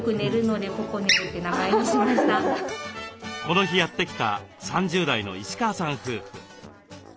この日やって来た３０代の石川さん夫婦。